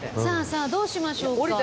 さあさあどうしましょうか？